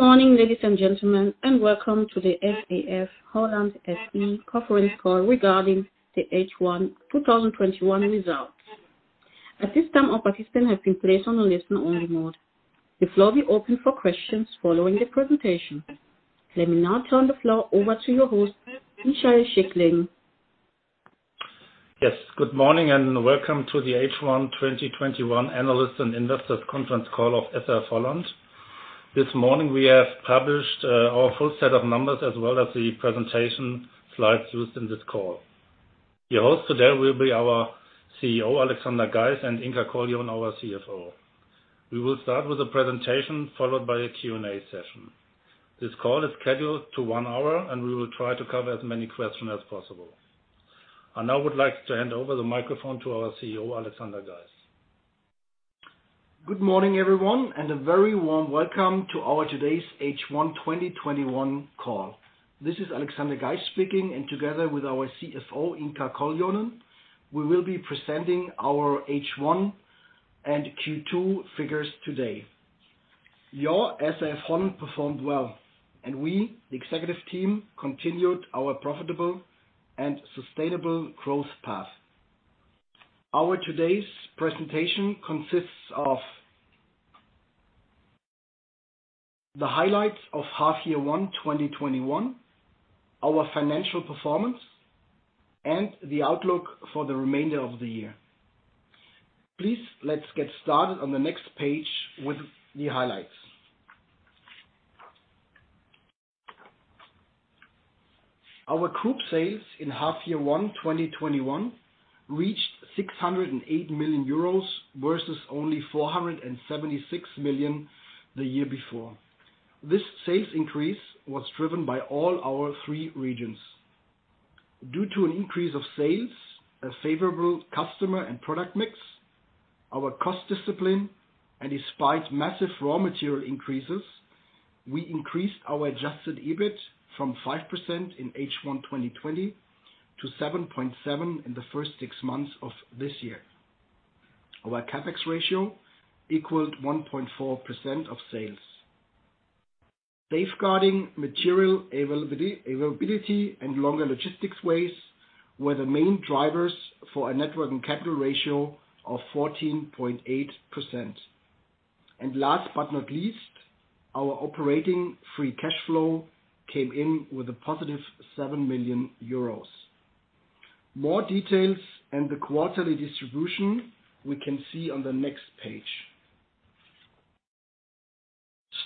Good morning, ladies and gentlemen, and welcome to the SAF-Holland SE Conference Call regarding the H1 2021 Results. At this time, all participants have been placed on a listen-only mode. The floor will be open for questions following the presentation. Let me now turn the floor over to your host, Michael Schickling. Yes, good morning and welcome to the H1 2021 Analyst and Investor Conference Call of SAF-Holland. This morning, we have published our full set of numbers as well as the presentation slides used in this call. Your hosts today will be our CEO, Alexander Geis, and Inka Koljonen, our CFO. We will start with a presentation followed by a Q&A session. This call is scheduled to one hour. We will try to cover as many questions as possible. I now would like to hand over the microphone to our CEO, Alexander Geis. Good morning, everyone, and a very warm welcome to our today's H1 2021 Call. This is Alexander Geis speaking, and together with our CFO, Inka Koljonen, we will be presenting our H1 and Q2 figures today. Your SAF-Holland performed well, and we, the executive team, continued our profitable and sustainable growth path. Our today's presentation consists of the highlights of half year one 2021, our financial performance, and the outlook for the remainder of the year. Let's get started on the next page with the highlights. Our group sales in half year one 2021 reached 608 million euros versus only 476 million the year before. This sales increase was driven by all our three regions. Due to an increase of sales, a favorable customer and product mix, our cost discipline, and despite massive raw material increases, we increased our adjusted EBIT from 5% in H1 2020 to 7.7% in the first six months of this year. Our CapEx ratio equaled 1.4% of sales. Safeguarding material availability, and longer logistics ways were the main drivers for a net working capital ratio of 14.8%. Last but not least, our operating free cash flow came in with a positive 7 million euros. More details and the quarterly distribution we can see on the next page.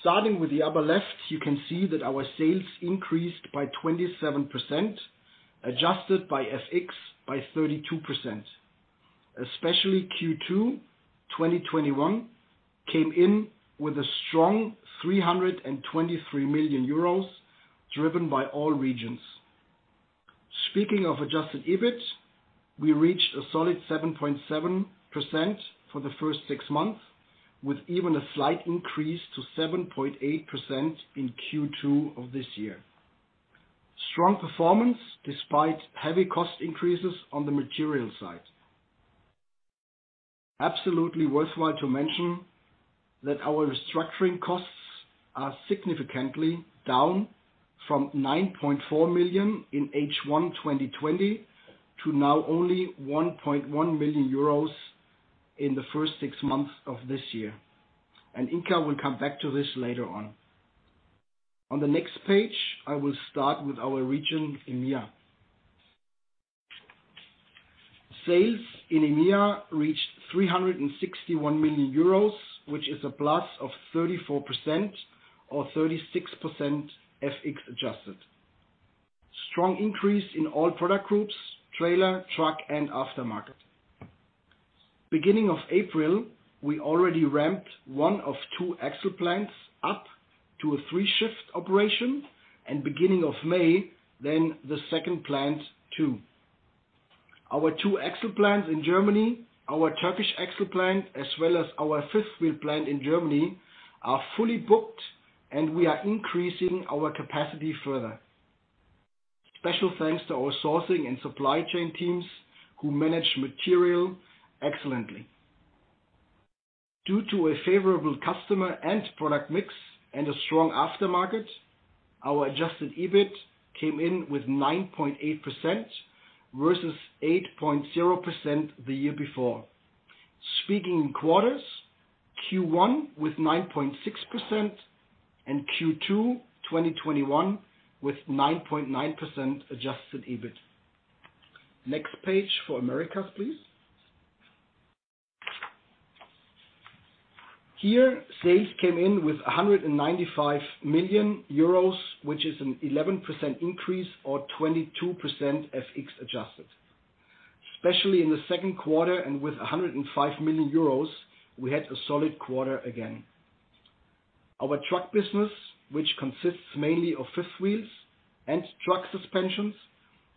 Starting with the upper left, you can see that our sales increased by 27%, adjusted by FX by 32%. Especially Q2 2021 came in with a strong 323 million euros, driven by all regions. Speaking of adjusted EBIT, we reached a solid 7.7% for the first six months, with even a slight increase to 7.8% in Q2 of this year. Strong performance despite heavy cost increases on the material side. Absolutely worthwhile to mention that our restructuring costs are significantly down from 9.4 million in H1 2020 to now only 1.1 million euros in the first six months of this year. Inka will come back to this later on. On the next page, I will start with our region, EMEA. Sales in EMEA reached 361 million euros, which is a plus of 34% or 36% FX adjusted. Strong increase in all product groups, trailer, truck, and aftermarket. Beginning of April, we already ramped one of two axle plants up to a three-shift operation. Beginning of May, then the second plant, too. Our two axle plants in Germany, our Turkish axle plant, as well as our fifth wheel plant in Germany, are fully booked and we are increasing our capacity further. Special thanks to our sourcing and supply chain teams who manage material excellently. Due to a favorable customer and product mix and a strong aftermarket, our adjusted EBIT came in with 9.8% versus 8.0% the year before. Speaking in quarters, Q1 with 9.6% and Q2 2021 with 9.9% adjusted EBIT. Next page for Americas, please. Here, sales came in with 195 million euros, which is an 11% increase or 22% FX adjusted. Especially in the second quarter and with 105 million euros, we had a solid quarter again. Our truck business, which consists mainly of fifth wheels and truck suspensions,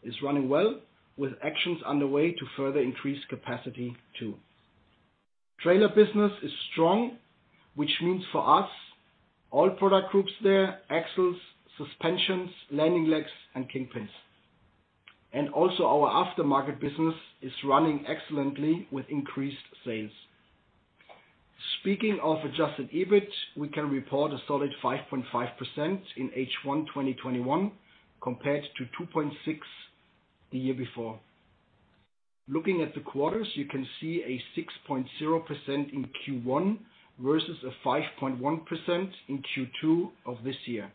is running well with actions underway to further increase capacity, too. Trailer business is strong, which means for us all product groups there, axles, suspensions, landing legs, and kingpins. Also our aftermarket business is running excellently with increased sales. Speaking of adjusted EBIT, we can report a solid 5.5% in H1 2021 compared to 2.6% the year before. Looking at the quarters, you can see a 6.0% in Q1 versus a 5.1% in Q2 of this year.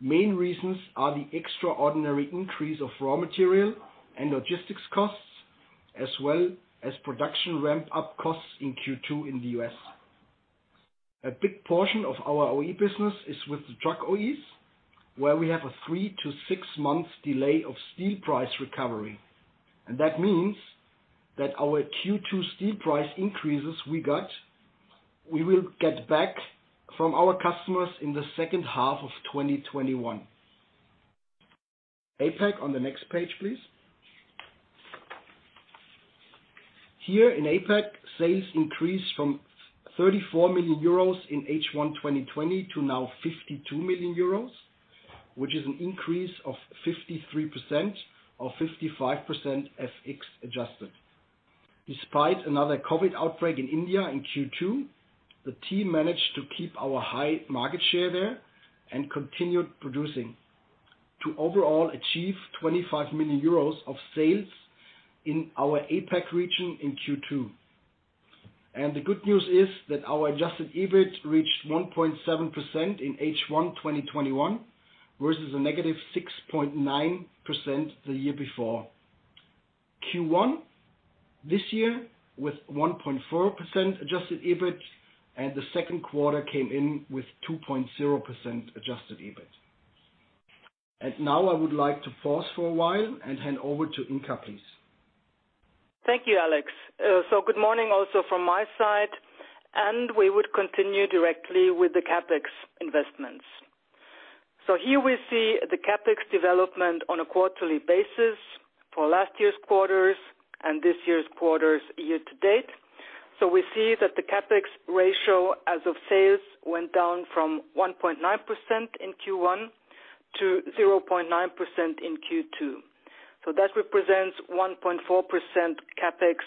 Main reasons are the extraordinary increase of raw material and logistics costs, as well as production ramp-up costs in Q2 in the U.S. A big portion of our OE business is with the truck OEs, where we have a three to six months delay of steel price recovery. That means that our Q2 steel price increases we got, we will get back from our customers in the second half of 2021. APAC on the next page, please. Here in APAC, sales increased from 34 million euros in H1 2020 to now 52 million euros, which is an increase of 53% or 55% FX adjusted. Despite another COVID outbreak in India in Q2, the team managed to keep our high market share there and continued producing to overall achieve 25 million euros of sales in our APAC region in Q2. The good news is that our adjusted EBIT reached 1.7% in H1 2021, versus a negative 6.9% the year before. Q1 this year, with 1.4% adjusted EBIT, and the second quarter came in with 2.0% adjusted EBIT. Now I would like to pause for a while and hand over to Inka, please. Thank you, Alex. Good morning also from my side, and we would continue directly with the CapEx investments. Here we see the CapEx development on a quarterly basis for last year's quarters and this year's quarters year-to-date. We see that the CapEx ratio as of sales went down from 1.9% in Q1 to 0.9% in Q2. That represents 1.4% CapEx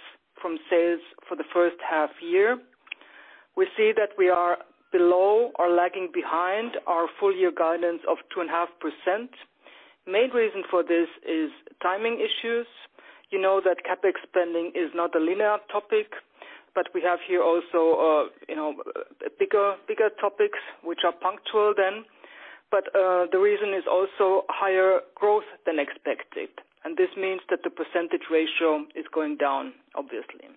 from sales for the first half year. We see that we are below or lagging behind our full year guidance of 2.5%. Main reason for this is timing issues. You know that CapEx spending is not a linear topic, but we have here also bigger topics which are punctual then. The reason is also higher growth than expected. This means that the percentage ratio is going down, obviously.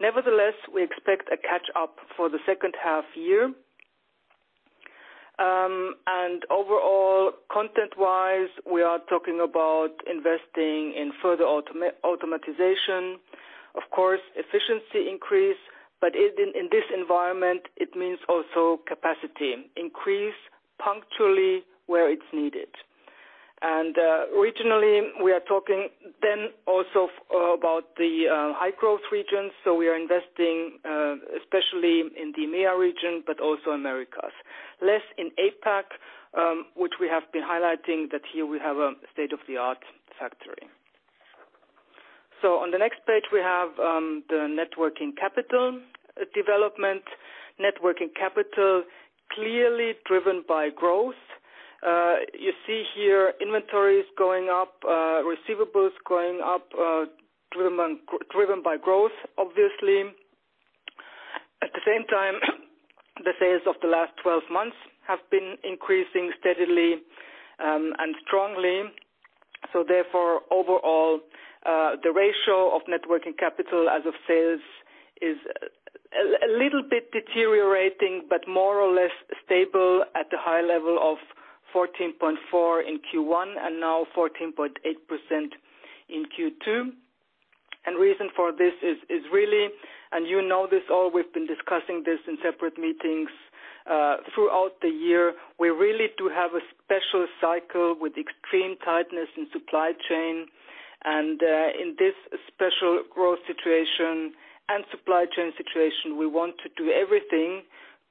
Nevertheless, we expect a catch-up for the second half year. Overall, content-wise, we are talking about investing in further automation. Of course, efficiency increase, but in this environment, it means also capacity increase punctually where it's needed. Regionally, we are talking then also about the high growth regions. We are investing, especially in the EMEA region, but also Americas. Less in APAC, which we have been highlighting that here we have a state-of-the-art factory. On the next page, we have the net working capital development. Net working capital clearly driven by growth. You see here inventories going up, receivables going up, driven by growth, obviously. At the same time, the sales of the last 12 months have been increasing steadily and strongly. Therefore, overall, the ratio of net working capital as of sales is a little bit deteriorating, but more or less stable at the high level of 14.4% in Q1 and now 14.8% in Q2. Reason for this is really, and you know this all, we've been discussing this in separate meetings, throughout the year. We really do have a special cycle with extreme tightness in supply chain. In this special growth situation and supply chain situation, we want to do everything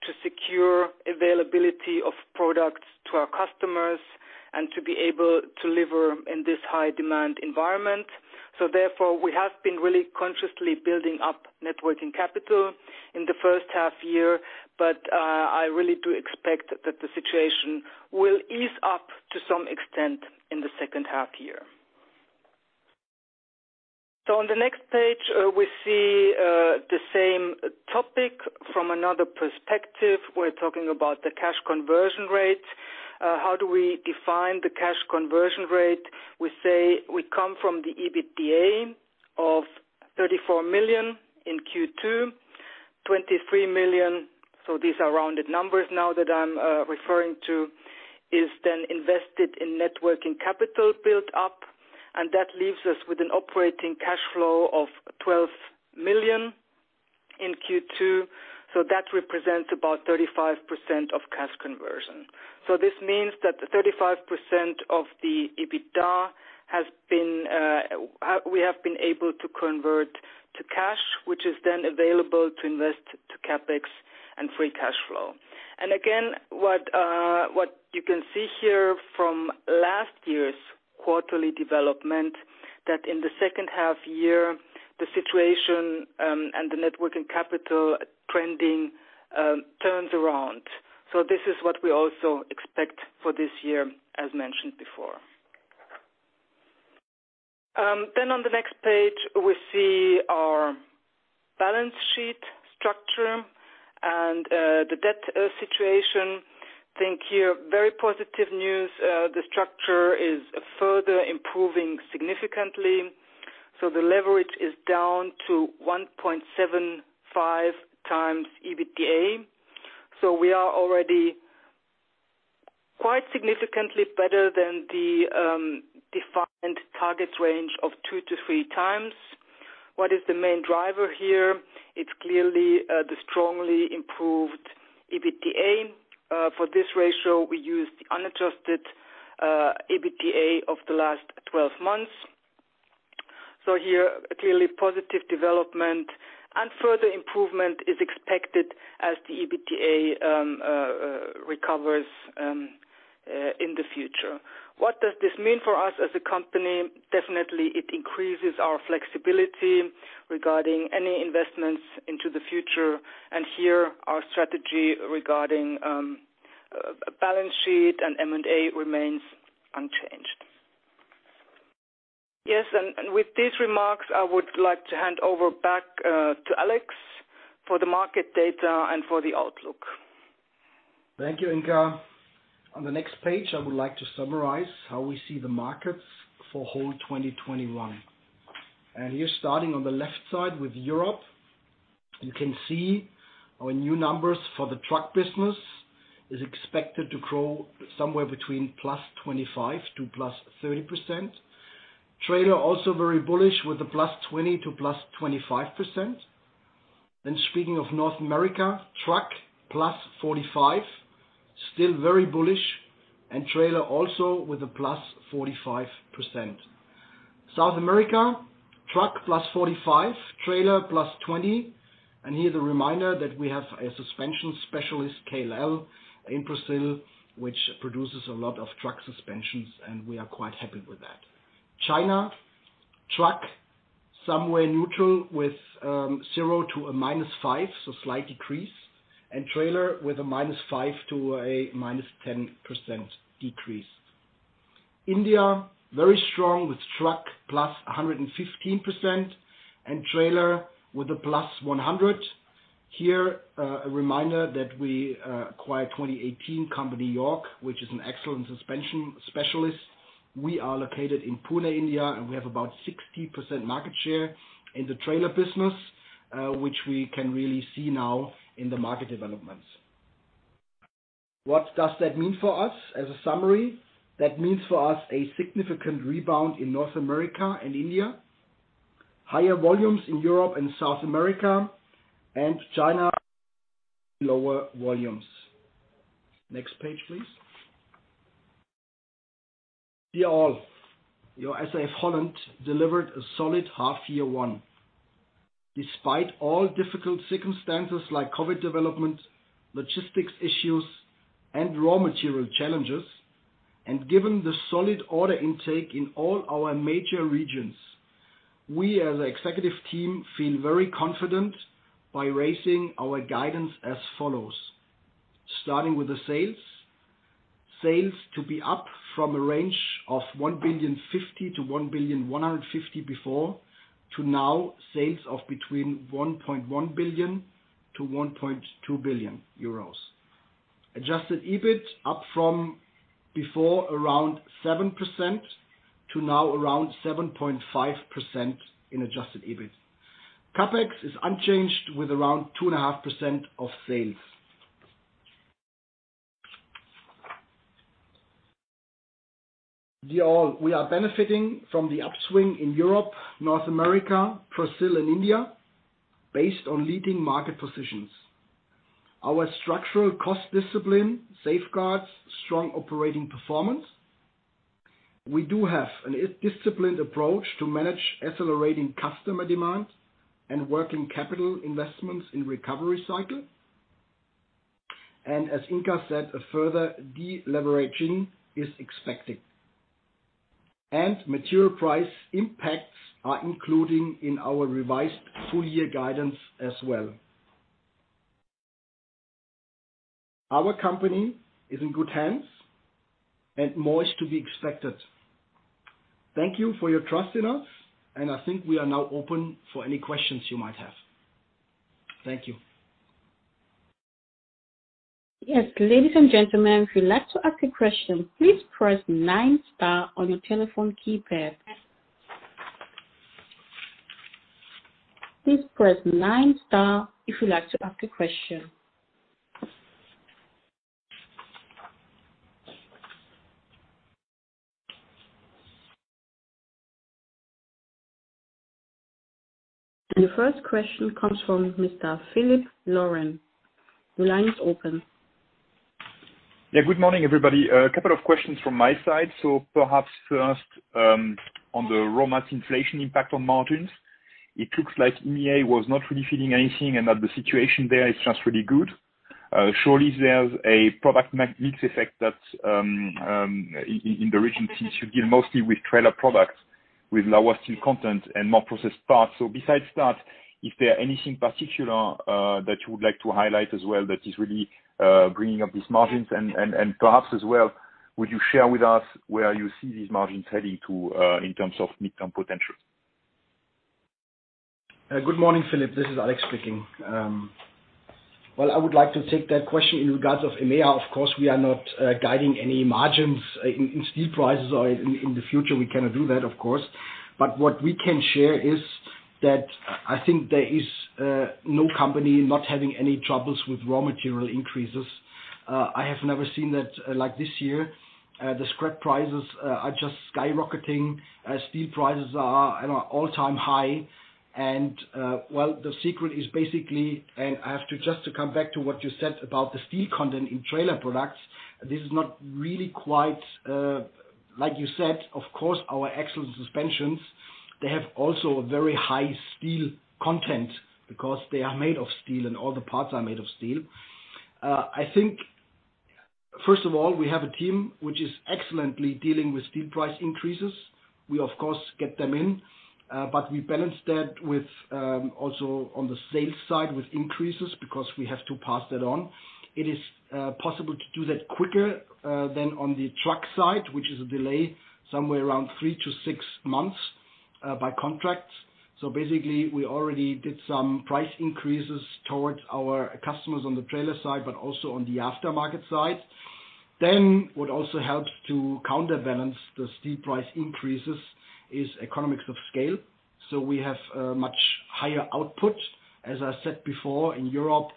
to secure availability of products to our customers and to be able to deliver in this high-demand environment. Therefore, we have been really consciously building up net working capital in the first half year, but I really do expect that the situation will ease up to some extent in the second half year. On the next page, we see the same topic from another perspective. We're talking about the cash conversion rate. How do we define the cash conversion rate? We say we come from the EBITDA of 34 million in Q2, 23 million, so these are rounded numbers now that I'm referring to, is then invested in net working capital built up, and that leaves us with an operating cash flow of 12 million in Q2. That represents about 35% of cash conversion. This means that 35% of the EBITDA we have been able to convert to cash, which is then available to invest to CapEx and free cash flow. Again, what you can see here from last year's quarterly development, that in the second half year, the situation and the net working capital trending turns around. This is what we also expect for this year, as mentioned before. On the next page, we see our balance sheet structure and the debt situation. I think here, very positive news. The structure is further improving significantly. The leverage is down to 1.75x EBITDA. We are already quite significantly better than the defined target range of 2x-3x. What is the main driver here? It's clearly the strongly improved EBITDA. For this ratio, we use the unadjusted EBITDA of the last 12 months. Here, a clearly positive development. Further improvement is expected as the EBITDA recovers in the future. What does this mean for us as a company? Definitely it increases our flexibility regarding any investments into the future, and here our strategy regarding balance sheet and M&A remains unchanged. Yes, with these remarks, I would like to hand over back to Alex for the market data and for the outlook. Thank you, Inka. On the next page, I would like to summarize how we see the markets for whole 2021. Here starting on the left side with Europe. You can see our new numbers for the truck business, is expected to grow somewhere between +25% to +30%. Trailer also very bullish with a +20% to +25%. Speaking of North America, truck, +45%, still very bullish. Trailer also with a +45%. South America, truck +45%, trailer +20%. Here's a reminder that we have a suspension specialist, KLL, in Brazil, which produces a lot of truck suspensions, and we are quite happy with that. China, truck, somewhere neutral with zero to a -5%, so slight decrease. Trailer with a -5% to a -10% decrease. India, very strong with truck +115%, and trailer with a +100%. Here, a reminder that we acquired 2018 company York, which is an excellent suspension specialist. We are located in Pune, India, and we have about 60% market share in the trailer business, which we can really see now in the market developments. What does that mean for us as a summary? That means for us a significant rebound in North America and India. Higher volumes in Europe and South America. China, lower volumes. Next page, please. Dear all, your SAF-Holland delivered a solid half year one. Despite all difficult circumstances like COVID development, logistics issues, and raw material challenges, and given the solid order intake in all our major regions, we as an executive team feel very confident by raising our guidance as follows. Starting with the sales. Sales to be up from a range of 1.05 billion-1.15 billion before, to now sales of between 1.1 billion- 1.2 billion euros. Adjusted EBIT up from before around 7% to now around 7.5% in adjusted EBIT. CapEx is unchanged with around 2.5% of sales. Dear all, we are benefiting from the upswing in Europe, North America, Brazil, and India, based on leading market positions. Our structural cost discipline safeguards strong operating performance. We do have a disciplined approach to manage accelerating customer demand and working capital investments in recovery cycle. As Inka said, a further de-leveraging is expected. Material price impacts are included in our revised full-year guidance as well. Our company is in good hands, and more is to be expected. Thank you for your trust in us, and I think we are now open for any questions you might have. Thank you. Yes. Ladies and gentlemen, if you'd like to ask a question, please press nine star on your telephone keypad. Please press nine star if you'd like to ask a question. The first question comes from Mr. Philippe Lorrain. Your line is open. Yeah. Good morning, everybody. A couple of questions from my side. Perhaps first, on the raw materials inflation impact on margins. It looks like EMEA was not really feeling anything, and that the situation there is just really good. Surely there's a product mix effect that in the region since you deal mostly with trailer products with lower steel content and more processed parts. Besides that, is there anything particular that you would like to highlight as well that is really bringing up these margins? Perhaps as well, would you share with us where you see these margins heading to, in terms of midterm potential? Good morning, Philippe. This is Alex speaking. Well, I would like to take that question in regards of EMEA. Of course, we are not guiding any margins in steel prices, or in the future we cannot do that, of course. What we can share is that I think there is no company not having any troubles with raw material increases. I have never seen that like this year. The scrap prices are just skyrocketing. Steel prices are at an all-time high. Well, the secret is basically, and I have to just to come back to what you said about the steel content in trailer products, this is not really quite like you said. Of course, our excellent suspensions, they have also a very high steel content because they are made of steel and all the parts are made of steel. I think first of all, we have a team which is excellently dealing with steel price increases. We of course get them in. We balance that with, also on the sales side, with increases because we have to pass that on. It is possible to do that quicker than on the truck side, which is a delay somewhere around three to six months, by contracts. Basically, we already did some price increases towards our customers on the trailer side, but also on the aftermarket side. What also helps to counterbalance the steel price increases is economics of scale. We have a much higher output. As I said before, in Europe,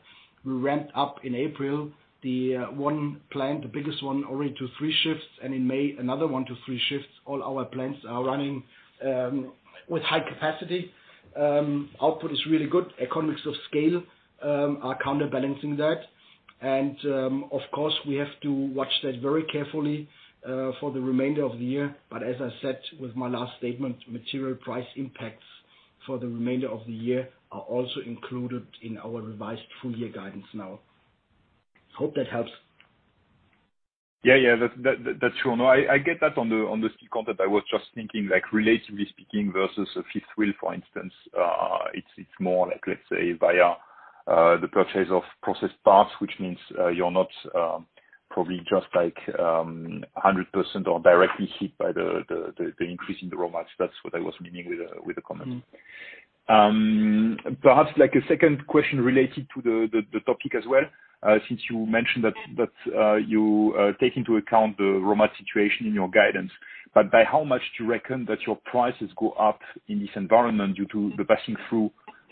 we ramped up in April, the one plant, the biggest one, already to three shifts. In May, another one to three shifts. All our plants are running with high capacity. Output is really good. Economics of scale are counterbalancing that. Of course, we have to watch that very carefully for the remainder of the year. As I said with my last statement, material price impacts for the remainder of the year are also included in our revised full-year guidance now. Hope that helps. Yeah. That's true. No, I get that on the steel content. I was just thinking like relatively speaking versus a fifth wheel, for instance. It's more like, let's say, via the purchase of processed parts, which means you're not probably just like 100% or directly hit by the increase in the raw materials. That's what I was meaning with the comment. Perhaps like a second question related to the topic as well, since you mentioned that you take into account the raw material situation in your guidance. By how much do you reckon that your prices go up in this environment due to the passing through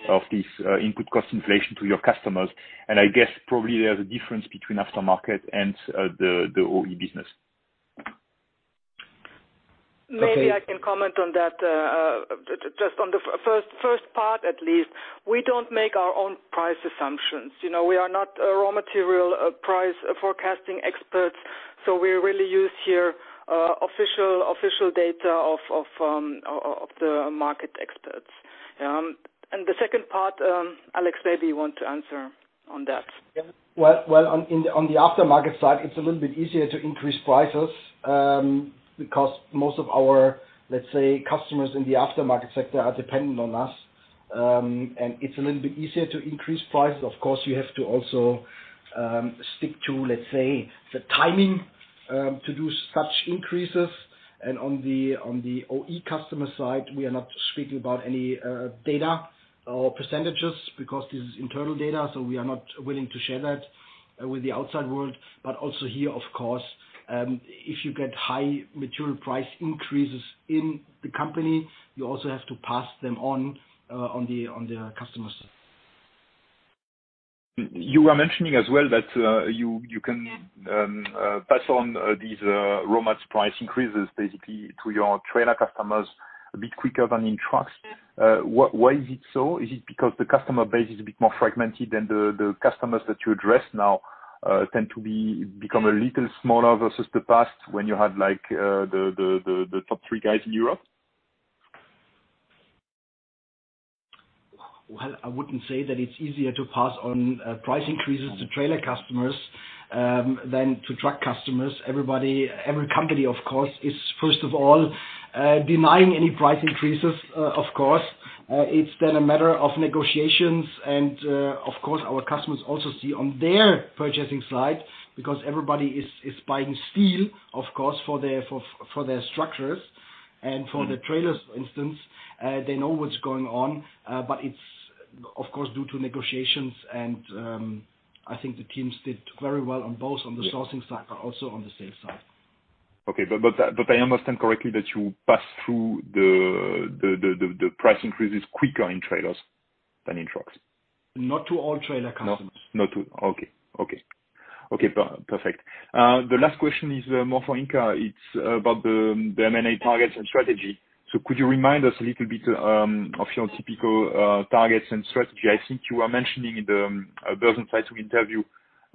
of this input cost inflation to your customers? I guess probably there's a difference between aftermarket and the OE business. Okay. Maybe I can comment on that. Just on the first part, at least. We don't make our own price assumptions. We are not raw material price forecasting experts, so we really use here official data of the market experts. The second part, Alex, maybe you want to answer on that. Yeah. Well, on the aftermarket side, it's a little bit easier to increase prices, because most of our, let's say, customers in the aftermarket sector are dependent on us. It's a little bit easier to increase prices. Of course, you have to also stick to, let's say, the timing, to do such increases. On the OE customer side, we are not speaking about any data or perecentages because this is internal data, so we are not willing to share that with the outside world. Also here, of course, if you get high material price increases in the company, you also have to pass them on the customer side. You were mentioning as well that you pass on these raw materials price increases basically to your trailer customers a bit quicker than in trucks. Yeah. Why is it so? Is it because the customer base is a bit more fragmented and the customers that you address now tend to become a little smaller versus the past when you had the top three guys in Europe? Well, I wouldn't say that it's easier to pass on price increases to trailer customers than to truck customers. Every company, of course, is first of all, denying any price increases, of course. It's a matter of negotiations and, of course, our customers also see on their purchasing side because everybody is buying steel, of course, for their structures. For the trailers, for instance, they know what's going on. It's, of course, due to negotiations and I think the teams did very well on both on the sourcing side, but also on the sales side. Okay. I understand correctly that you pass through the price increases quicker in trailers than in trucks? Not to all trailer customers. No. Okay. Okay, perfect. The last question is more for Inka. It's about the M&A targets and strategy. Could you remind us a little bit of your typical targets and strategy? I think you were mentioning in the site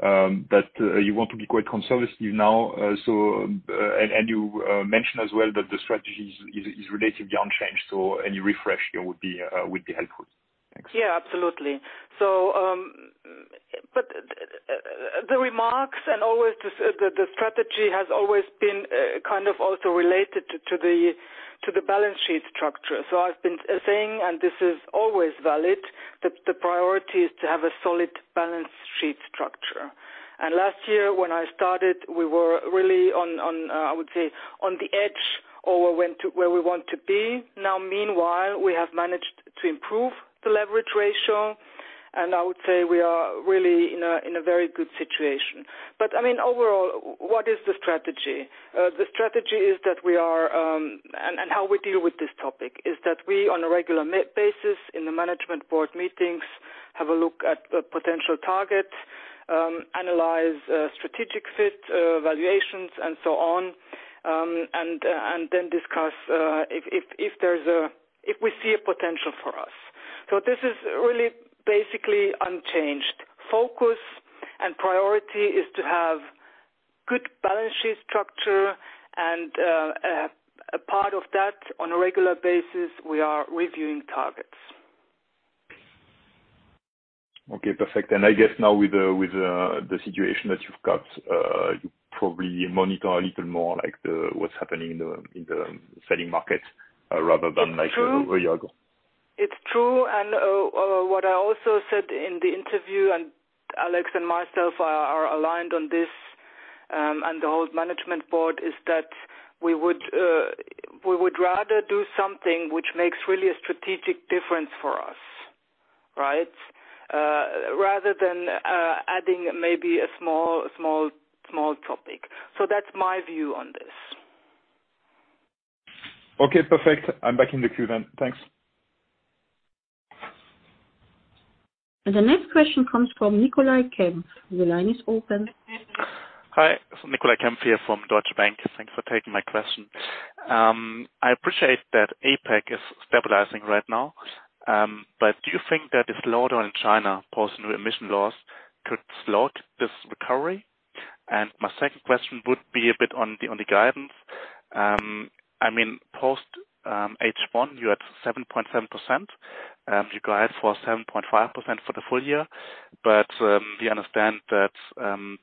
interview, that you want to be quite conservative now, and you mentioned as well that the strategy is relatively unchanged. Any refresh here would be helpful. Thanks. Yeah, absolutely. The remarks and the strategy has always been kind of also related to the balance sheet structure. I've been saying, and this is always valid, that the priority is to have a solid balance sheet structure. Last year when I started, we were really on, I would say, on the edge or where we want to be. Now, meanwhile, we have managed to improve the leverage ratio, and I would say we are really in a very good situation. I mean, overall, what is the strategy? The strategy is how we deal with this topic, is that we, on a regular basis in the management board meetings, have a look at potential targets, analyze strategic fit, valuations, and so on, and then discuss if we see a potential for us. This is really basically unchanged. Focus and priority is to have good balance sheet structure and, a part of that, on a regular basis, we are reviewing targets. Okay, perfect. I guess now with the situation that you've got, you probably monitor a little more like what's happening in the selling market rather than like a year ago. It's true, and what I also said in the interview, and Alex and myself are aligned on this, and the whole management board, is that we would rather do something which makes really a strategic difference for us. Rather than adding maybe a small topic. That's my view on this. Okay, perfect. I'm back in the queue then. Thanks. The next question comes from Nicolai Kempf. The line is open. Hi, it's Nicolai Kempf here from Deutsche Bank. Thanks for taking my question. I appreciate that APAC is stabilizing right now. Do you think that the slowdown in China posing emission laws could slow this recovery? My second question would be a bit on the guidance. I mean, post H1, you had 7.7%. You guide for 7.5% for the full year. We understand that, from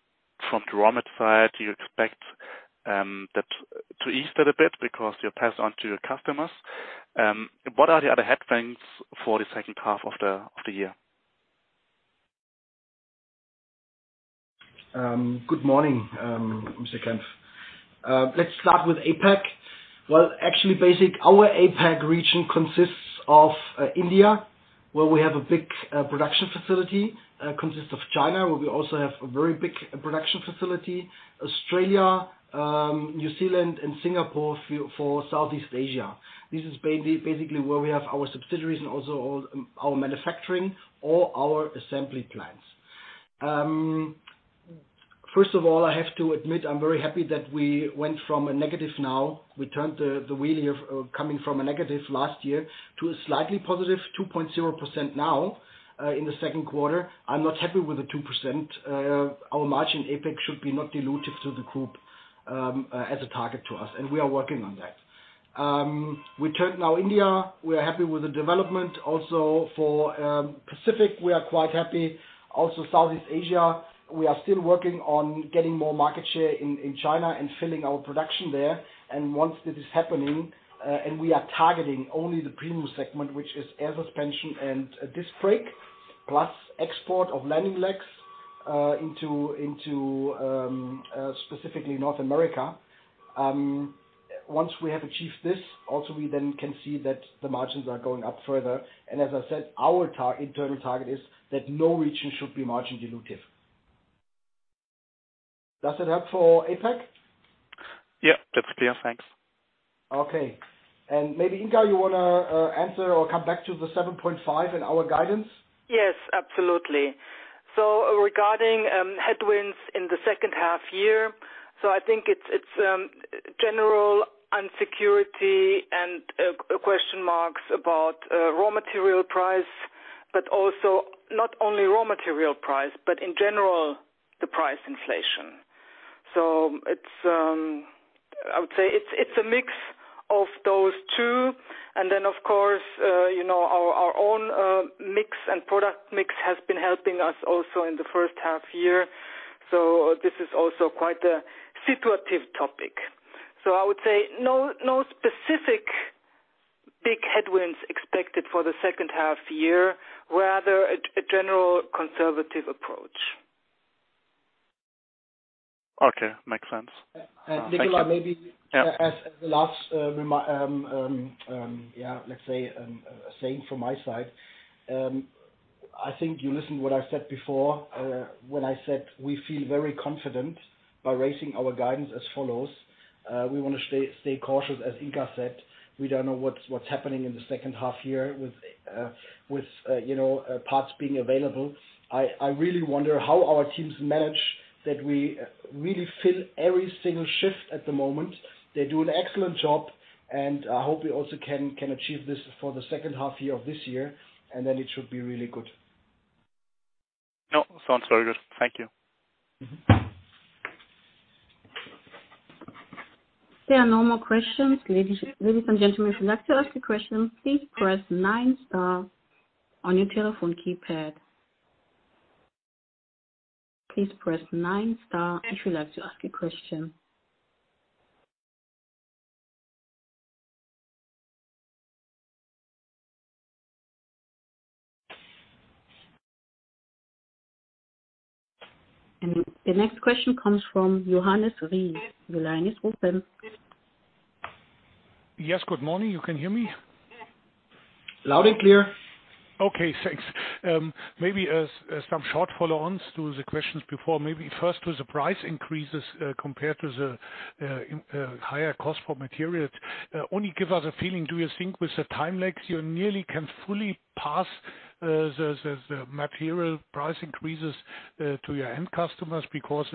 the raw material side, you expect that to ease that a bit because you pass on to your customers. What are the other headwinds for the second half of the year? Good morning, Mr. Kempf. Let's start with APAC. Well, actually basic, our APAC region consists of India, where we have a big production facility. Consists of China, where we also have a very big production facility. Australia, New Zealand, and Singapore for Southeast Asia. This is basically where we have our subsidiaries and also all our manufacturing, all our assembly plants. First of all, I have to admit, I'm very happy that we went from a negative now. We turned the wheel here of coming from a negative last year to a slightly positive 2.0% now, in the second quarter. I'm not happy with the 2%. Our margin in APAC should be not dilutive to the group as a target to us, and we are working on that. We turn now India. We are happy with the development also for Pacific, we are quite happy. Also Southeast Asia. We are still working on getting more market share in China and filling our production there. Once this is happening, and we are targeting only the premium segment, which is air suspension and disc brake, plus export of landing legs into specifically North America. Once we have achieved this, also we then can see that the margins are going up further. As I said, our internal target is that no region should be margin dilutive. Does that help for APAC? That's clear. Thanks. Okay. Maybe Inka you want to answer or come back to the 7.5 in our guidance? Yes, absolutely. Regarding headwinds in the second half year, I think it's general insecurity and question marks about raw material price, but also not only raw material price, but in general, the price inflation. I would say it's a mix of those two. Then, of course, our own mix and product mix has been helping us also in the first half year. This is also quite a situative topic. I would say no specific big headwinds expected for the second half year, rather a general conservative approach. Okay. Makes sense. Thank you. Nicolai. Yeah. As the last, let's say, saying from my side, I think you listened what I said before, when I said we feel very confident by raising our guidance as follows. We want to stay cautious, as Inka said. We don't know what's happening in the second half year with parts being available. I really wonder how our teams manage that we really fill every single shift at the moment. They do an excellent job, and I hope we also can achieve this for the second half year of this year, and then it should be really good. Sounds very good. Thank you. There are no more questions. Ladies and gentlemen, if you'd like to ask a question, please press nine star on your telephone keypad. Please press nine star if you'd like to ask a question. The next question comes from Johannes Ries. Your line is open. Yes. Good morning. You can hear me? Loud and clear. Okay, thanks. Maybe some short follow-ons to the questions before. Maybe first with the price increases compared to the higher cost for materials. Only give us a feeling, do you think with the time lags, you nearly can fully pass the material price increases to your end customers? Because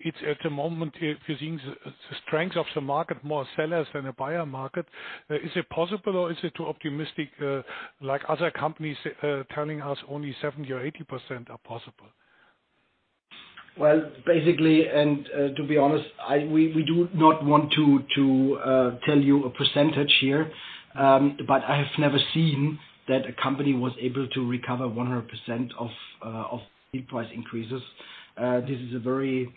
it's at the moment, you're seeing the strength of the market, more sellers than a buyer market. Is it possible, or is it too optimistic, like other companies telling us only 70% or 80% are possible? Well, basically, and to be honest, we do not want to tell you a percentage here, but I have never seen that a company was able to recover 100% of the price increases. This is a very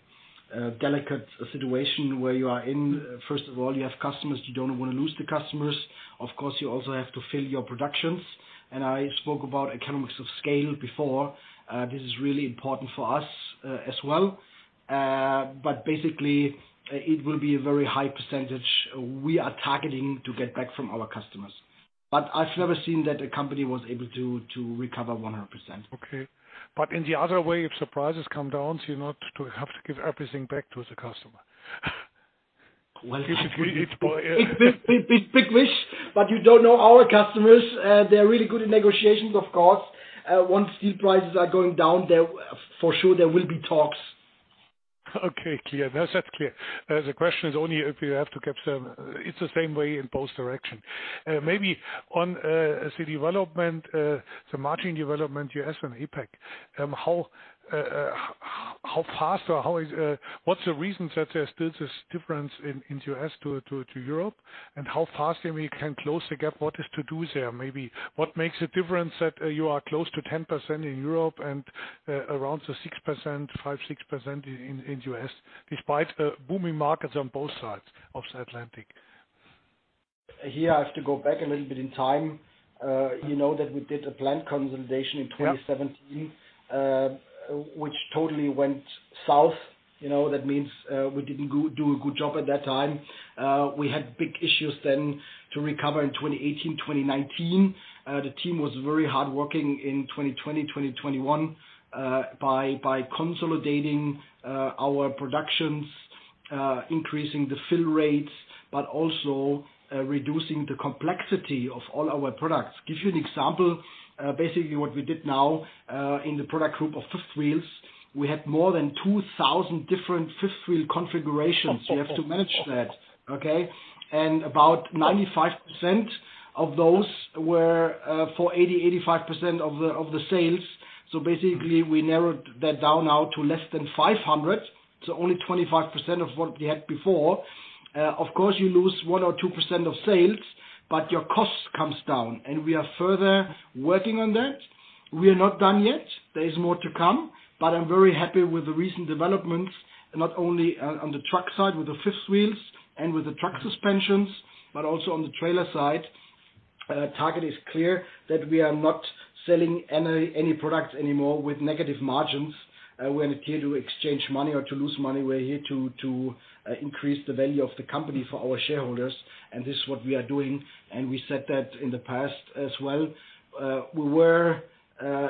delicate situation where you are in. First of all, you have customers. You don't want to lose the customers. Of course, you also have to fill your productions. I spoke about economics of scale before. This is really important for us as well. Basically, it will be a very high percentage we are targeting to get back from our customers. I've never seen that a company was able to recover 100%. Okay. In the other way, if the prices come down, so you not to have to give everything back to the customer. Well- If you need to buy- Big wish, you don't know our customers. They're really good in negotiations, of course. Once steel prices are going down, for sure there will be talks. Okay, clear. That's clear. The question is only if you have to keep them, it's the same way in both directions. Maybe on the development, the margin development you asked on APAC. How fast or what's the reason that there's still this difference in U.S. to Europe? How fast then we can close the gap? What is to do there? Maybe what makes a difference that you are close to 10% in Europe and around the 6%, 5%, 6% in U.S., despite the booming markets on both sides of the Atlantic? Here, I have to go back a little bit in time. You know that we did a plant consolidation in 2017. Yeah Which totally went south. That means we didn't do a good job at that time. We had big issues then to recover in 2018, 2019. The team was very hardworking in 2020, 2021, by consolidating our productions, increasing the fill rates, but also reducing the complexity of all our products. Give you an example. Basically what we did now in the product group of fifth wheels, we had more than 2,000 different fifth wheel configurations. You have to manage that. Okay? About 95% of those were for 80%, 85% of the sales. Basically we narrowed that down now to less than 500, so only 25% of what we had before. Of course, you lose 1% or 2% of sales, but your cost comes down. We are further working on that. We are not done yet. There is more to come. I'm very happy with the recent developments, not only on the truck side with the fifth wheels and with the truck suspensions, but also on the trailer side. Target is clear that we are not selling any products anymore with negative margins. We're not here to exchange money or to lose money. We're here to increase the value of the company for our shareholders, and this is what we are doing, and we said that in the past as well. We were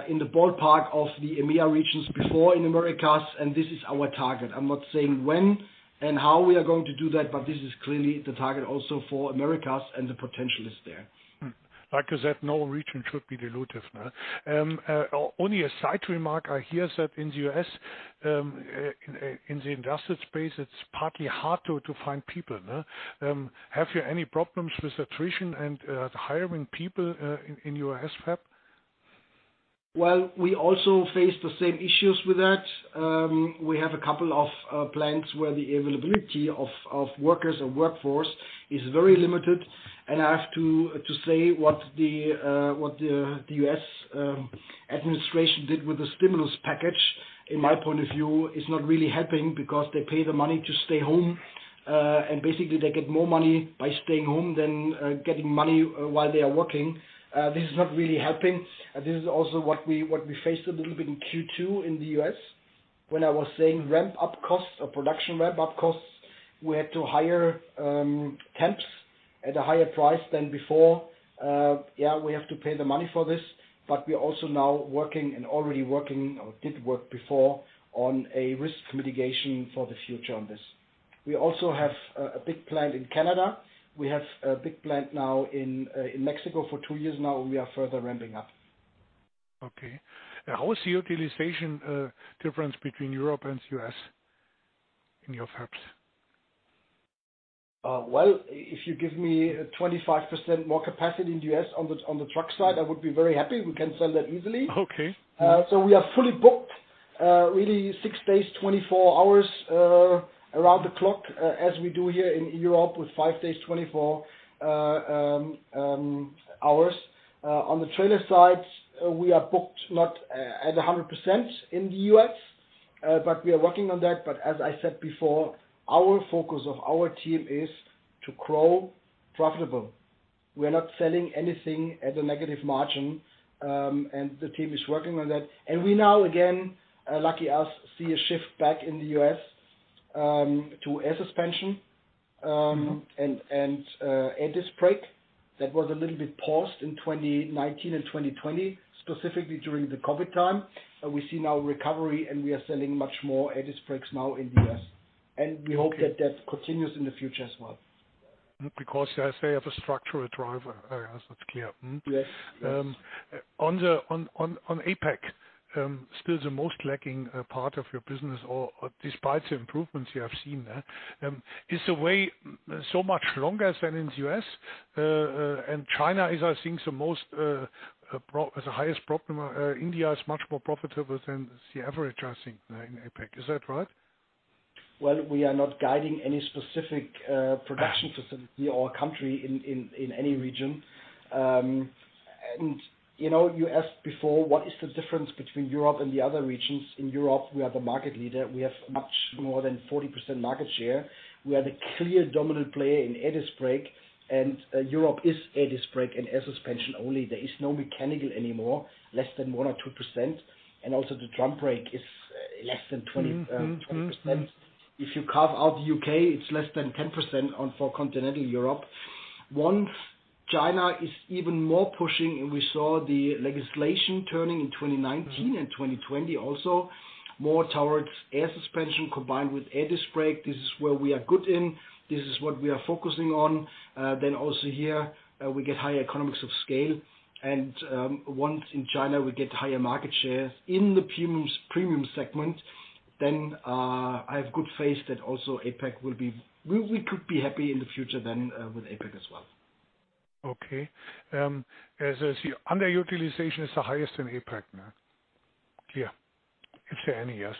in the ballpark of the EMEA regions before in Americas, and this is our target. I'm not saying when and how we are going to do that, but this is clearly the target also for Americas and the potential is there. Like I said, no region should be dilutive. Only a side remark, I hear that in the U.S., in the invested space, it's partly harder to find people. Have you any problems with attrition and hiring people in the U.S. fab? Well, we also face the same issues with that. We have a couple of plants where the availability of workers or workforce is very limited. I have to say what the U.S. administration did with the stimulus package, in my point of view, is not really helping because they pay the money to stay home, and basically they get more money by staying home than getting money while they are working. This is not really helping. This is also what we faced a little bit in Q2 in the U.S. when I was saying ramp-up costs or production ramp-up costs, we had to hire temps at a higher price than before. Yeah, we have to pay the money for this, but we are also now working and already working, or did work before, on a risk mitigation for the future on this. We also have a big plant in Canada. We have a big plant now in Mexico for two years now, and we are further ramping up. Okay. How is the utilization difference between Europe and U.S. in your hubs? Well, if you give me 25% more capacity in the U.S. on the truck side, I would be very happy. We can sell that easily. Okay. We are fully booked, really six days, 24 hours, around the clock, as we do here in Europe with five days, 24 hours. On the trailer side, we are booked not at 100% in the U.S., but we are working on that. As I said before, our focus of our team is to grow profitable. We are not selling anything at a negative margin, and the team is working on that. We now again, lucky us, see a shift back in the U.S., to air suspension. Air disc brake. That was a little bit paused in 2019 and 2020, specifically during the COVID time. We see now a recovery, and we are selling much more air disc brakes now in the U.S. We hope that that continues in the future as well. They have a structural driver. Yes, that's clear. Yes. On APAC, still the most lacking part of your business or despite the improvements you have seen there, is the way so much longer than in the U.S.? China is, I think, the highest problem. India is much more profitable than the average, I think, in APAC. Is that right? Well, we are not guiding any specific production facility or country in any region. You asked before, what is the difference between Europe and the other regions? In Europe, we are the market leader. We have much more than 40% market share. We are the clear dominant player in air disc brake, and Europe is air disc brake and air suspension only. There is no mechanical anymore, less than 1% or 2%. Also the drum brake is less than 20%. If you carve out the U.K., it's less than 10% on for Continental Europe. One, China is even more pushing, and we saw the legislation turning in 2019 and 2020 also, more towards air suspension combined with air disc brake. This is where we are good in. This is what we are focusing on. Also here, we get higher economics of scale. Once in China, we get higher market share in the premium segment, then I have good faith that also APAC we could be happy in the future then with APAC as well. Okay. As I see, underutilization is the highest in APAC now. Clear. If there are any, yes.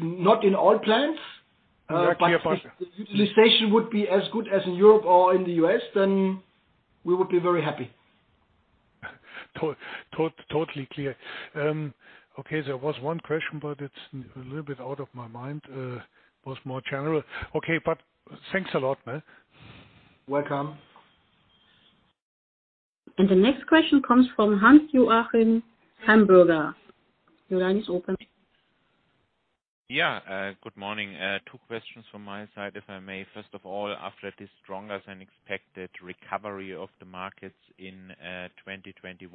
Not in all plants. Yeah, clear. If the utilization would be as good as in Europe or in the U.S., then we would be very happy. Totally clear. Okay, there was one question, but it's a little bit out of my mind. Was more general. Okay, thanks a lot. Welcome. The next question comes from Hans-Joachim Heimbürger. Your line is open. Yeah, good morning. Two questions from my side, if I may. First of all, after this stronger than expected recovery of the markets in 2021,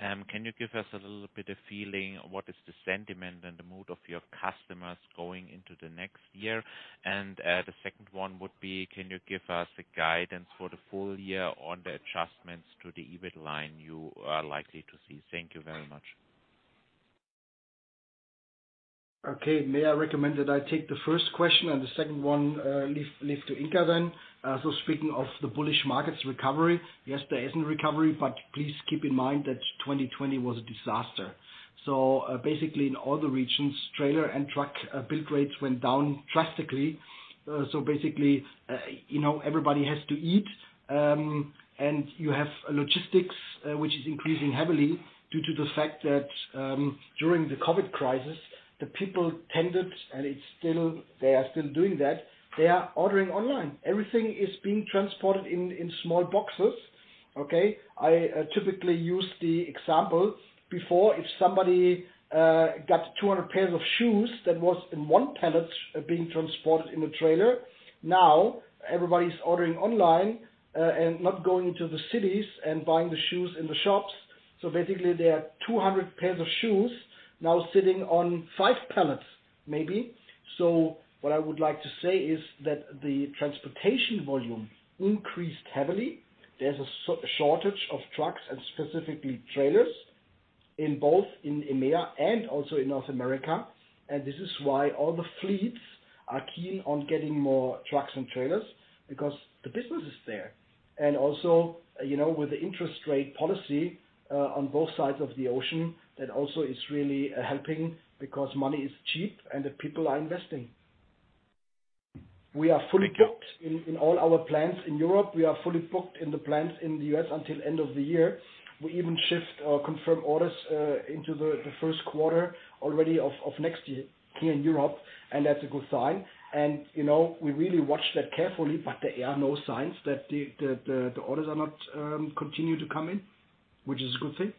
can you give us a little bit of feeling what is the sentiment and the mood of your customers going into the next year? The second one would be, can you give us a guidance for the full year on the adjustments to the EBIT line you are likely to see? Thank you very much. Okay. May I recommend that I take the first question and the second one leave to Inka then? Speaking of the bullish markets recovery, yes, there is a recovery, but please keep in mind that 2020 was a disaster. Basically in all the regions, trailer and truck build rates went down drastically. Basically, everybody has to eat, and you have logistics, which is increasing heavily due to the fact that during the COVID crisis, the people tended, and they are still doing that. They are ordering online. Everything is being transported in small boxes. Okay. I typically use the example before, if somebody got 200 pairs of shoes, that was in one pallet being transported in a trailer. Now everybody's ordering online and not going to the cities and buying the shoes in the shops. Basically, there are 200 pairs of shoes now sitting on five pallets, maybe. What I would like to say is that the transportation volume increased heavily. There's a shortage of trucks and specifically trailers, in both in EMEA and also in North America. This is why all the fleets are keen on getting more trucks and trailers because the business is there. Also, with the interest rate policy on both sides of the ocean, that also is really helping because money is cheap and the people are investing. We are fully booked in all our plants in Europe. We are fully booked in the plants in the U.S. until end of the year. We even shift or confirm orders into the first quarter already of next year here in Europe, and that's a good sign. We really watch that carefully, but there are no signs that the orders are not continue to come in, which is a good thing.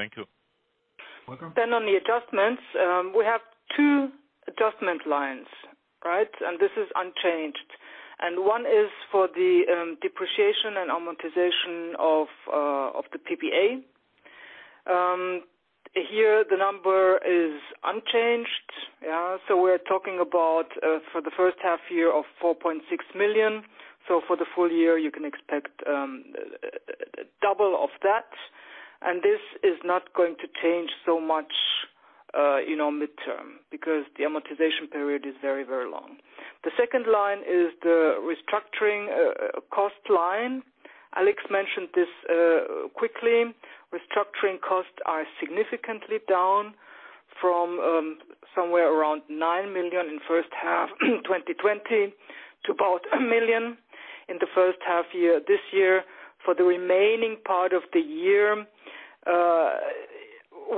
Thank you. Welcome. On the adjustments, we have two adjustment lines, right? This is unchanged. One is for the depreciation and amortization of the PPA. Here, the number is unchanged. We're talking about, for the first half year, of 4.6 million. For the full year, you can expect double of that. This is not going to change so much midterm, because the amortization period is very long. The second line is the restructuring cost line. Alex mentioned this quickly. Restructuring costs are significantly down from somewhere around 9 million in first half 2020 to about 1 million in the first half year this year. For the remaining part of the year,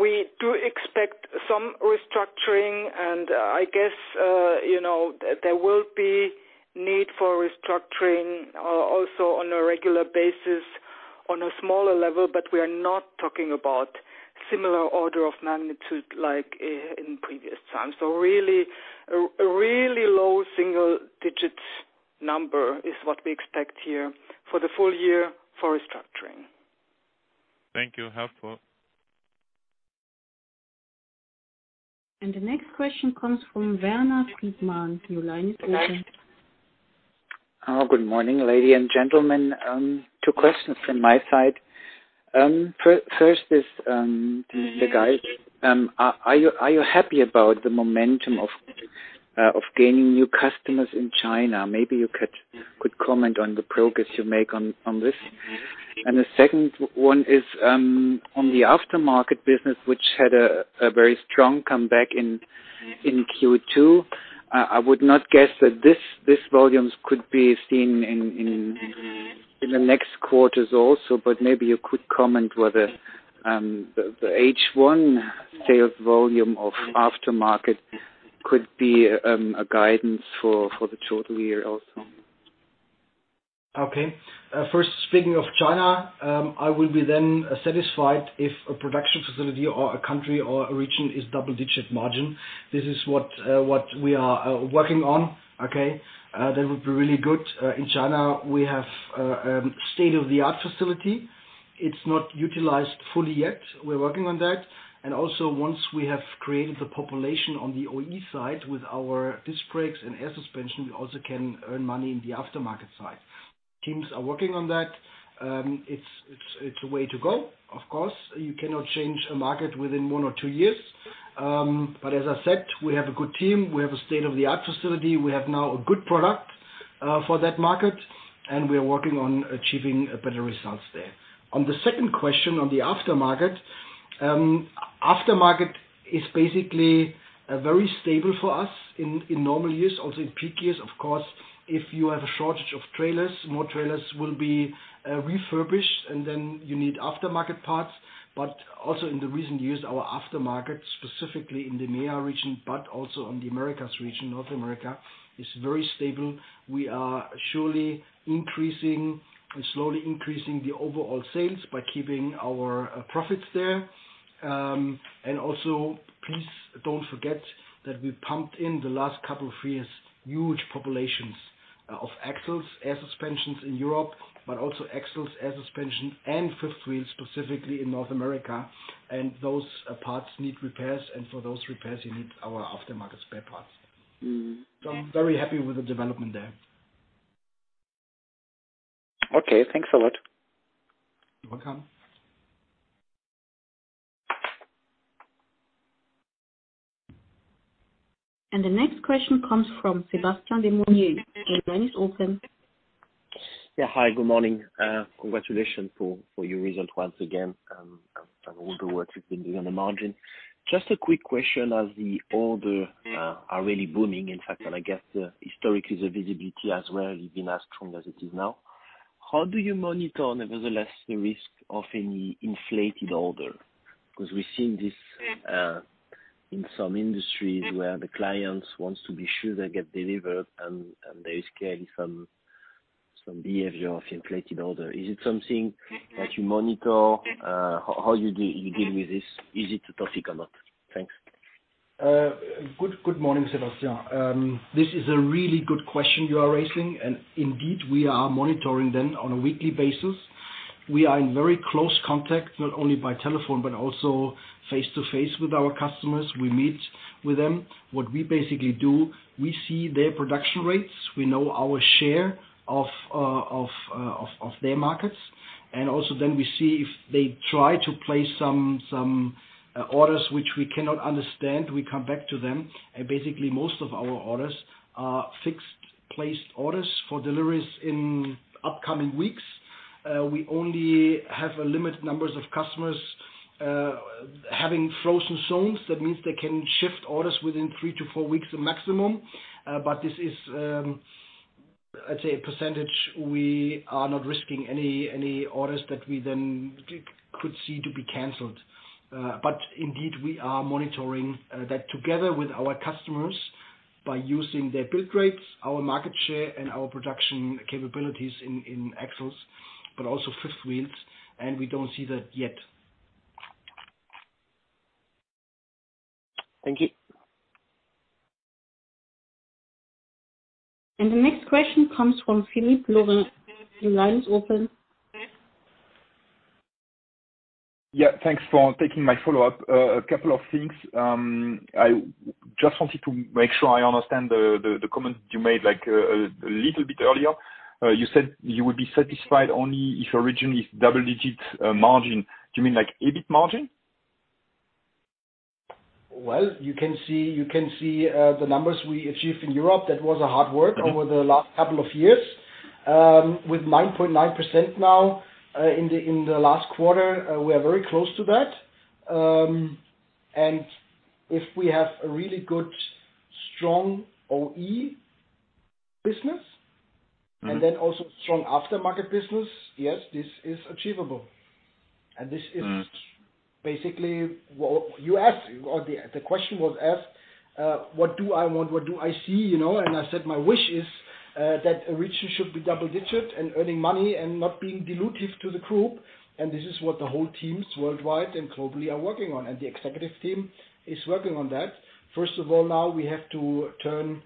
we do expect some restructuring, and I guess there will be need for restructuring also on a regular basis on a smaller level, but we are not talking about similar order of magnitude like in previous times. Really low single-digit number is what we expect here for the full year for restructuring. Thank you. Helpful. The next question comes from [Werner Siegmann]. Your line is open. Good morning, ladies and gentlemen. Two questions from my side. First is the guidance. Are you happy about the momentum of gaining new customers in China? Maybe you could comment on the progress you make on this. The second one is on the aftermarket business, which had a very strong comeback in Q2. I would not guess that these volumes could be seen in the next quarters also, but maybe you could comment whether the H1 sales volume of aftermarket could be a guidance for the total year also. First, speaking of China, I will be then satisfied if a production facility or a country or a region is double-digit margin. This is what we are working on. Okay? That would be really good. In China, we have state-of-the-art facility. It's not utilized fully yet. We're working on that. Also once we have created the population on the OE side with our disc brakes and air suspension, we also can earn money in the aftermarket side. Teams are working on that. It's a way to go. Of course, you cannot change a market within one or two years. As I said, we have a good team. We have a state-of-the-art facility. We have now a good product for that market, and we are working on achieving better results there. On the second question on the aftermarket. Aftermarket is basically very stable for us in normal years, also in peak years. Of course, if you have a shortage of trailers, more trailers will be refurbished, and then you need aftermarket parts. Also in the recent years, our aftermarket, specifically in the EMEA region, also on the Americas region, North America, is very stable. We are surely increasing and slowly increasing the overall sales by keeping our profits there. Also, please don't forget that we pumped in the last couple of years, huge populations of axles, air suspensions in Europe, also axles, air suspension, and fifth wheels, specifically in North America. Those parts need repairs, and for those repairs, you need our aftermarket spare parts. I'm very happy with the development there. Okay, thanks a lot. You're welcome. The next question comes from Sebastian [Demounier]. Your line is open. Yeah. Hi, good morning. Congratulations for your results once again, all the work you've been doing on the margin. Just a quick question, as the order are really booming, in fact. I guess historically the visibility as well has been as strong as it is now. How do you monitor, nevertheless, the risk of any inflated order? We're seeing this in some industries where the clients wants to be sure they get delivered. There is clearly some behavior of inflated order. Is it something that you monitor? How you deal with this? Is it a topic or not? Thanks. Good morning, Sebastian. This is a really good question you are raising. Indeed, we are monitoring them on a weekly basis. We are in very close contact, not only by telephone, but also face-to-face with our customers. We meet with them. What we basically do, we see their production rates. We know our share of their markets. Also then we see if they try to place some orders which we cannot understand, we come back to them. Basically most of our orders are fixed placed orders for deliveries in upcoming weeks. We only have a limited numbers of customers having frozen zones. That means they can shift orders within three to four weeks maximum. This is, I'd say, a percentage. We are not risking any orders that we then could see to be canceled. Indeed, we are monitoring that together with our customers by using their build rates, our market share, and our production capabilities in axles, but also fifth wheels, and we don't see that yet. Thank you. The next question comes from Philippe Lorrain. Your line is open. Yeah, thanks for taking my follow-up. A couple of things. I just wanted to make sure I understand the comment you made a little bit earlier. You said you would be satisfied only if your region is double-digit margin. Do you mean like EBIT margin? Well, you can see the numbers we achieved in Europe. That was hard work. Okay Over the last couple of years. With 9.9% now in the last quarter, we are very close to that. If we have a really good strong OE business. Also strong aftermarket business, yes, this is achievable. This is basically what you asked, or the question was asked, what do I want? What do I see? I said my wish is that a region should be double-digit and earning money and not being dilutive to the group. This is what the whole teams worldwide and globally are working on, and the executive team is working on that. First of all, now we have to turn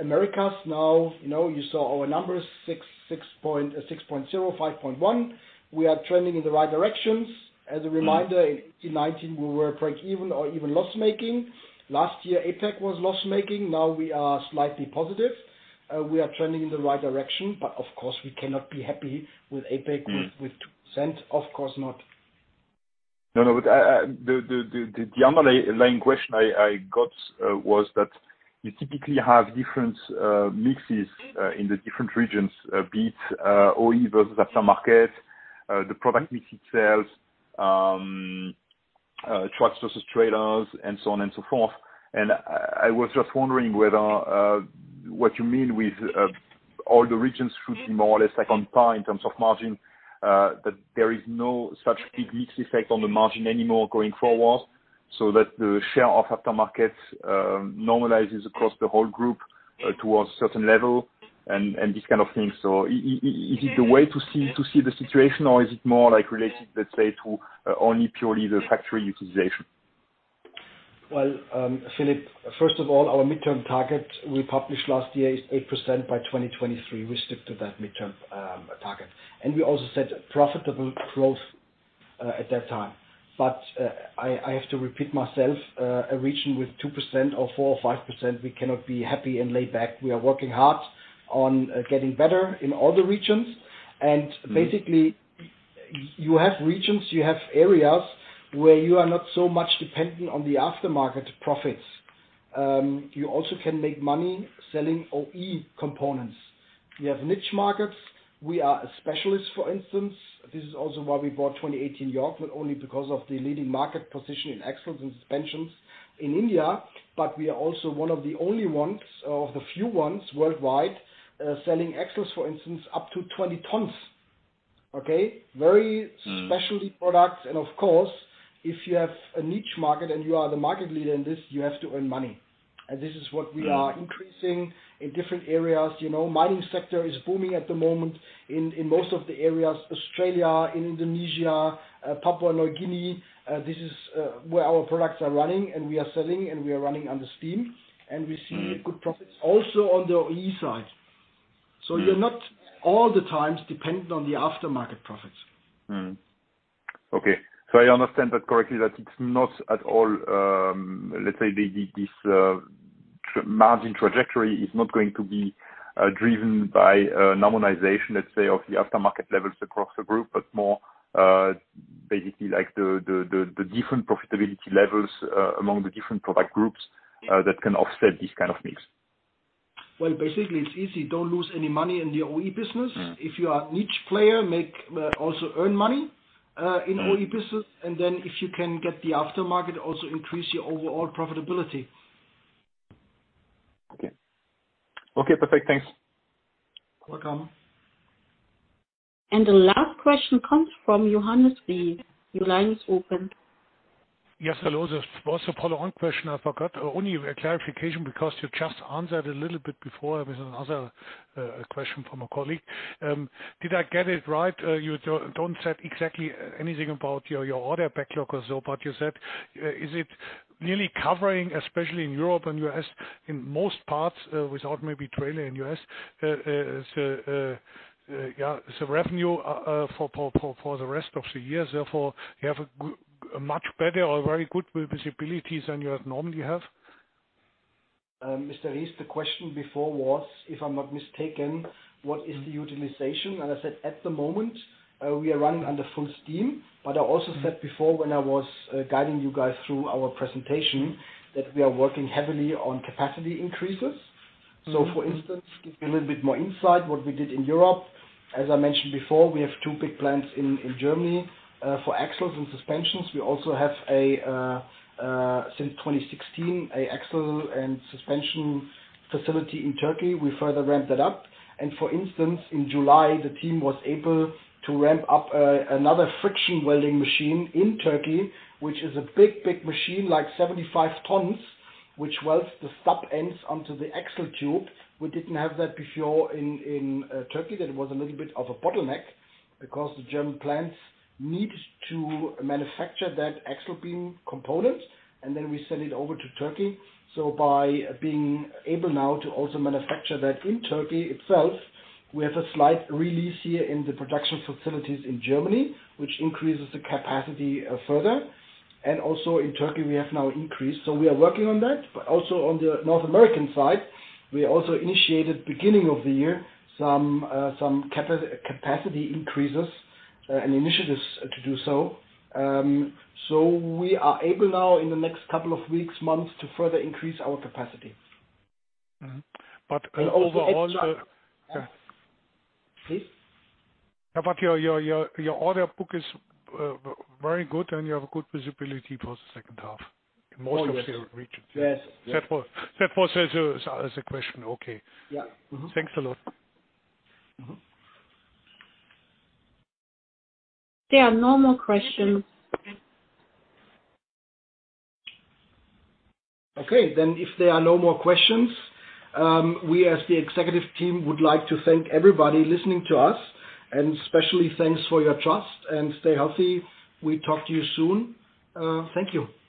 Americas now. You saw our numbers, 6.0, 5.1. We are trending in the right directions. As a reminder, in 2019, we were break-even or even loss-making. Last year, APAC was loss-making. Now we are slightly positive. We are trending in the right direction, of course, we cannot be happy with APAC with 2%. Of course not. No, the underlying question I got was that you typically have different mixes in the different regions, be it OE versus aftermarket, the product mix itself, trucks versus trailers, and so on and so forth. I was just wondering what you mean with all the regions should be more or less on par in terms of margin, that there is no such big mix effect on the margin anymore going forward, so that the share of aftermarket normalizes across the whole group towards a certain level and these kind of things. Is it the way to see the situation, or is it more related, let's say, to only purely the factory utilization? Well, Philippe, first of all, our midterm target we published last year is 8% by 2023. We stick to that midterm target. We also said profitable growth at that time. I have to repeat myself, a region with 2% or 4% or 5%, we cannot be happy and laid back. We are working hard on getting better in all the regions. Basically, you have regions, you have areas where you are not so much dependent on the aftermarket profits. You also can make money selling OE components. We have niche markets. We are a specialist, for instance. This is also why we bought 2018 York, but only because of the leading market position in axles and suspensions in India. We are also one of the only ones, or of the few ones worldwide, selling axles, for instance, up to 20 tons. Okay? Very specialty products. Of course, if you have a niche market and you are the market leader in this, you have to earn money. This is what we are increasing in different areas. mining sector is booming at the moment in most of the areas, Australia, in Indonesia, Papua New Guinea. This is where our products are running, and we are selling, and we are running under steam. We see good profits also on the OE side. You're not all the times dependent on the aftermarket profits. Okay. I understand that correctly, that it's not at all, let's say this margin trajectory is not going to be driven by normalization, let's say, of the aftermarket levels across the group, but more basically the different profitability levels among the different product groups that can offset this kind of mix. Well, basically, it's easy. Don't lose any money in the OE business. If you are a niche player, also earn money in OE business. If you can get the aftermarket, also increase your overall profitability. Okay. Okay, perfect. Thanks. Welcome. The last question comes from Johannes Ries. Your line is open. Yes, hello. There was a follow-on question I forgot. Only a clarification because you just answered a little bit before with another question from a colleague. Did I get it right? You don't said exactly anything about your order backlog or so, but you said, is it really covering, especially in Europe and U.S., in most parts, without maybe trailer in U.S., yeah, the revenue for the rest of the year, therefore, you have a much better or very good visibility than you would normally have? Mr. Geis, the question before was, if I'm not mistaken, what is the utilization? I said, at the moment, we are running under full steam. I also said before when I was guiding you guys through our presentation, that we are working heavily on capacity increases. For instance, give you a little bit more insight what we did in Europe. As I mentioned before, we have two big plants in Germany, for axles and suspensions. We also have, since 2016, a axle and suspension facility in Turkey. We further ramped that up. For instance, in July, the team was able to ramp up another friction welding machine in Turkey, which is a big, big machine, like 75 tons, which welds the stub ends onto the axle tube. We didn't have that before in Turkey. That was a little bit of a bottleneck because the German plants need to manufacture that axle beam component, and then we send it over to Turkey. By being able now to also manufacture that in Turkey itself, we have a slight release here in the production facilities in Germany, which increases the capacity further. Also in Turkey, we have now increased. We are working on that. Also on the North American side, we also initiated, beginning of the year, some capacity increases and initiatives to do so. We are able now in the next couple of weeks, months, to further increase our capacity. Mm-hmm. Please? Your order book is very good, and you have a good visibility for the second half. Oh, yes. In most of the regions. Yes. That was the question. Okay. Yeah. Mm-hmm. Thanks a lot. There are no more questions. Okay. If there are no more questions, we as the executive team would like to thank everybody listening to us, and especially thanks for your trust, and stay healthy. We talk to you soon. Thank you